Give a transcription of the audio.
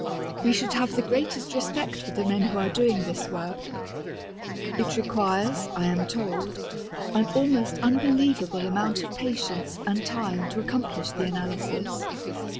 We should have the greatest respect for the men who are doing this work. It requires, I am told, an almost unbelievable amount of patience and time to accomplish the analysis.